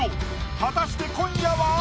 果たして今夜は？